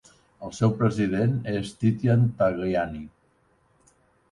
El seu president és Titian Tagliani.